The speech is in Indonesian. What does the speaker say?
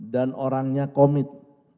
dan orangnya komit